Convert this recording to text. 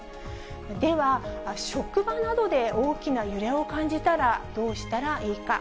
では、職場などで大きな揺れを感じたらどうしたらいいか。